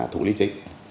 thủ lý chính